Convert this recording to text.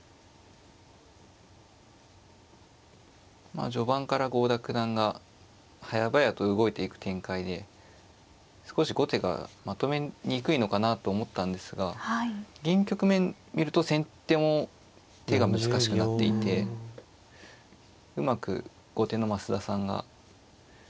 まあ序盤から郷田九段がはやばやと動いていく展開で少し後手がまとめにくいのかなと思ったんですが現局面見ると先手も手が難しくなっていてうまく後手の増田さんがうん切り返してですね